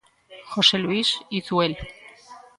José Luís Izuel.